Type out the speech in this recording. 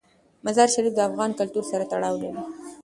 مزارشریف د افغان کلتور سره تړاو لري.